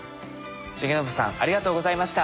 重信さんありがとうございました。